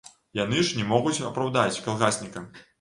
Яны ж не могуць апраўдаць калгасніка.